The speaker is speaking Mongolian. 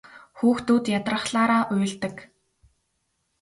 Хүүхдүүд ядрахлаараа уйлдаг.